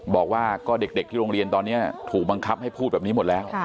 บอกว่าก็เด็กที่โรงเรียนตอนนี้ถูกบังคับให้พูดแบบนี้หมดแล้ว